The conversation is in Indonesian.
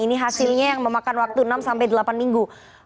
ini hasilnya yang memakan waktu enam sampai delapan minggu